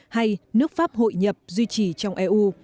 hay nước pháp hội nhập duy trì trong eu